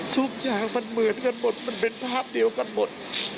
ทุกอย่างมันเหมือนกันหมดมันเป็นภาพเดียวกันหมด